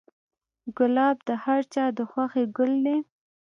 ګلاب د هر چا د خوښې ګل دی.